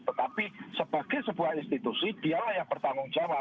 tetapi sebagai sebuah institusi dialah yang bertanggung jawab